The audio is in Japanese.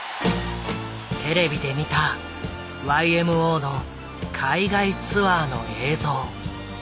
テレビで見たＹＭＯの海外ツアーの映像。